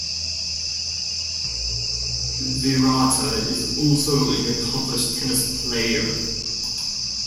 Virata is also an accomplished tennis player.